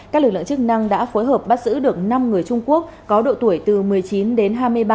các lực lượng chức năng đã phối hợp bắt giữ được năm người trung quốc có độ tuổi từ một mươi chín đến hai mươi ba